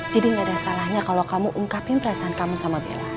jadi gak ada salahnya kalau kamu ungkapin perasaan kamu sama bella